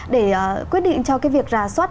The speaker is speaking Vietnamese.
để quyết định cho cái việc rà soát